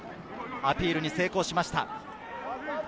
アピールに成功しました。